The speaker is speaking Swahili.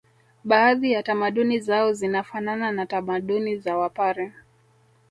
Baadhi ya tamaduni zao zinafanana na tamaduni za wapare